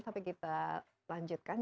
tapi kita lanjutkan